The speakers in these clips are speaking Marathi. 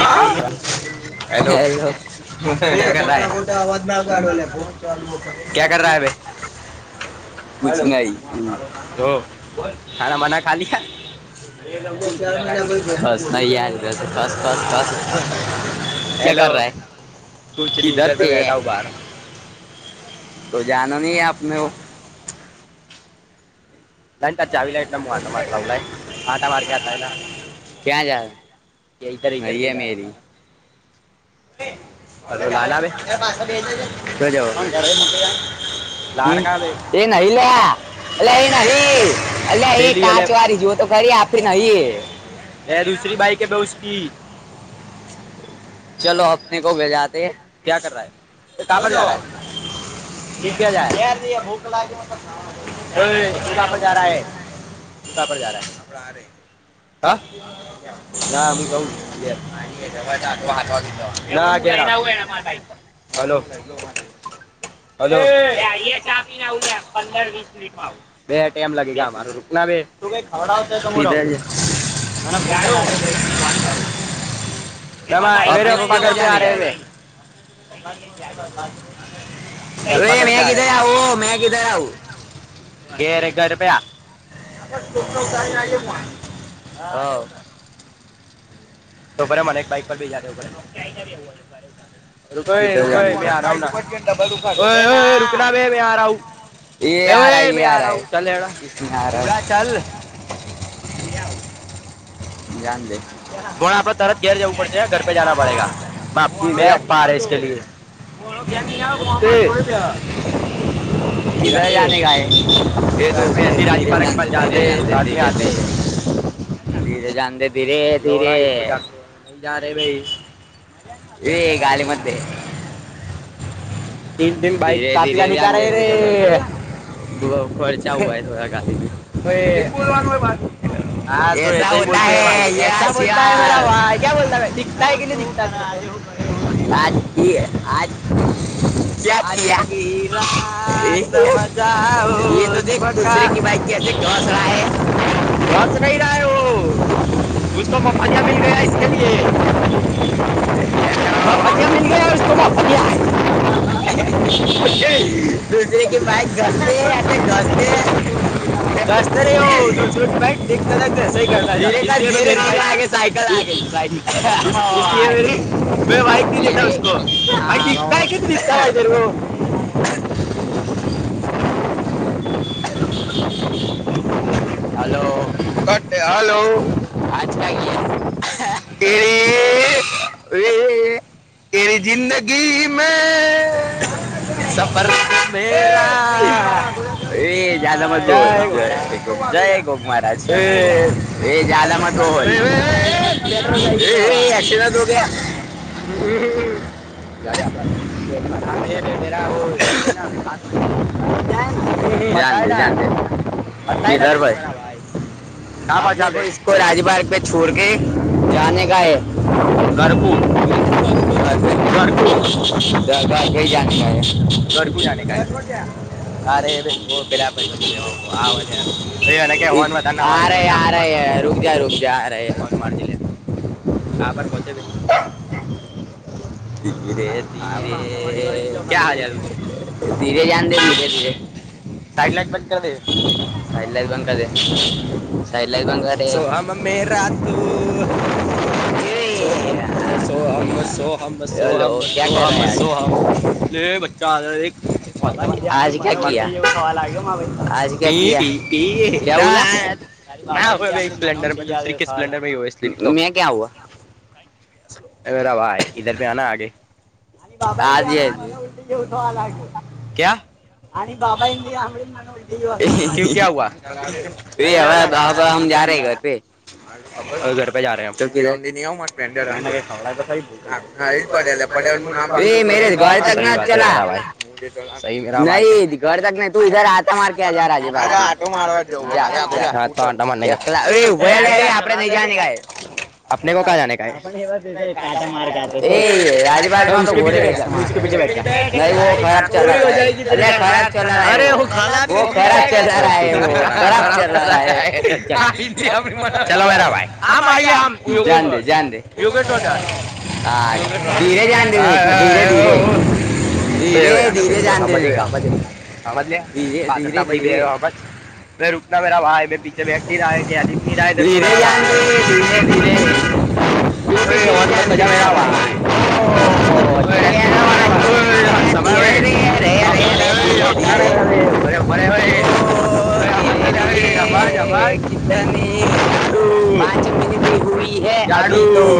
हॅलो. आ कच नाही. खा मना खाली का कस नाही या घस कस खस खस क्या कर रहाय. तूच नाही इधर तर बेठा बार तो जण नाही आपन [unintelligible] नाही तर चावीला मग आटा मारतावलाय आटा मार क्याता यला इधर इधर प आ होणार. घठ. लार कावे. ए नाही ल अल्या हे नाही अल्या काच वाी जत खरी आप. त नाहीयईे. या दुसरी बाईक बेऊसकी. चलो आपने को भेजते क कर रहा ह का पर जा रहा ह क जा कर बोत [unintelligible] [unintelligible] [unintelligible] [unintelligible] य चहा पिनावग्या पंधरा वीस मिनट [unintelligible] तू काही खवडावत [unintelligible] [unintelligible] आपने को किधर जाने का है [unintelligible] घर पर आ [unintelligible] [unintelligible] [unintelligible] ये आरा आर आहे कषन [unintelligible] जाने दे [unintelligible] [unintelligible] [unintelligible] किधर जाणे का है ते दो धीरे धीरे जाने दे धीरे जाने दे धीरे धीरे झाले भाई ये गाली मत दे धीरे धीरे जाने दे धीरे जाने दे खर्चा हुवा है थोडा [unintelligible] [unintelligible] हा तो ऐसे ही बोलते है भाई कैसा बोलता है मेरा भाई क्या बोलता दिखता है की नाही दिखता आज ही आज [unintelligible] [unintelligible] [unintelligible] [unintelligible] [unintelligible] [unintelligible] [unintelligible] [unintelligible] हॅलो हॅलो [unintelligible] प [inaudible] ए [inaudible] [unintelligible] [inaudible] सपर मेरा का आहे गो बाबा जय गोक महाराज [unintelligible] [inaudible] [unintelligible] [unintelligible] [unintelligible] [unintelligible] [unintelligible] घरकुज काय अरे हो पला पैसावा आवाज [inaudible] अे नक न म दधना मार नक चचाक म [inaudible] क्या रोष आ आहे [inaudible] ले [inaudible] काार बचवे [inaudible] धीरे धीरे धीरे जते धीरे धरे [inaudible] साई लाईट बघत आहे [inaudible] साहिला ब का साहिला ब [inaudible] सो आम मे रातू [inaudible] सो हम सो हम सोहम सो हम सो हम सो हमे ब [inaudible] प म न मत [inaudible] सवाल आ म आज क्या क क्या बोला [inaudible] बाबाम मनल म क [inaudible] बेरा बाय इधर ब ना आगे [inaudible] आणि बाबा आ म उलटी जेवठो आला [inaudible] आणि बाबाी आंबडी म्हण उलटी रे बाबाम जा र आहे कर [inaudible] खबर आहे मगला तो किरण दि आ म फ्रड भ [inaudible] ह म घर तक ना चला नाही [inaudible] घर तक नाही तू इधर आटो मार के जाटो मार [inaudible] उभले आपडे नाही जा काय [inaudible] कायट मार राजीबाग [inaudible] बम नाही खराब चचा अ ख [inaudible] खराब चला व हो खराब चला र ह व खराब चलाहा है [inaudible] आम आम जाण दे ज दे [inaudible] हा तीरे जा दि [inaudible] धीरे धीरे धीरे धीरे जाते न का [inaudible] हवाजल्या पाात्रता पई दे हवाज [inaudible] फ रुकता मेरा भा ह म पीछे भेक्ी राहाय की अधितनी राहा दधर त मेरा भा ह [inaudible] अे मजा म राय [inaudible] हो रत मार समाय व [inaudible] रेरेज आमाज आमाज [inaudible] पाच मिनट हई है अभी तो वा [inaudible]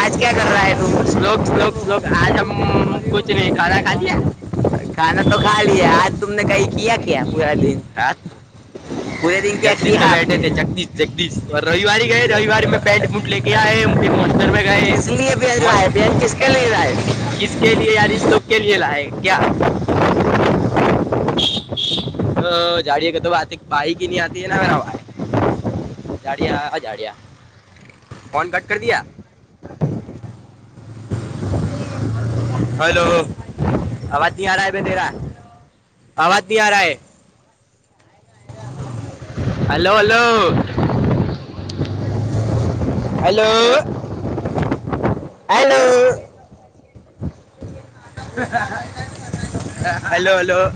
आज क्या कर रहा आहे तू [inaudible] स्लोक स्लोक स्लोक आज हम पोच र खा खाली [inaudible] खाना तो खा लिया आज तुमने काही क क परा दिन [inaudible] जगदीश पे बैठे तेे जगदीश जगदीश रविवारी गय रविवारी म [inaudible] पॅंट म्हटले की आहे मस्तर बॅग आहे मस्त [inaudible] य [inaudible] कस के लि यािस लोक के लि लाय क [inaudible] ह [inaudible] जाडीे का तत बाई की नाही आती नारा वा [inaudible] ाढया अजाढया फन बॅक कर दया [inaudible] ह [inaudible] हॅलो [inaudible] आवाज नाही आ रहा आहे बे तेरा आवाज नाही आ रहा आहे [inaudible] hello hello [inaudible] hello hello [inaudible] hello hello [inaudible]